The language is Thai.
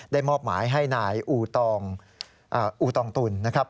ได้มอบหมายให้นายอูตองตุลนะครับ